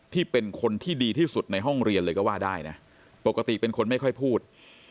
ที่เป็นคนที่ดีที่สุดในห้องเรียนเลยก็ว่าได้นะปกติเป็นคนไม่ค่อยพูด